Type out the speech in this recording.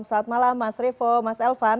selamat malam mas revo mas elvan